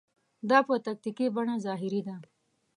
دا په تکتیکي بڼه ظاهري ده.